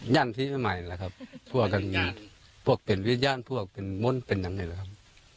ญ่านพีชแม่ไม้แหละครับพวกเป็นเวียดญ่านพวกมนตร์เป็นยังไงแหละครับ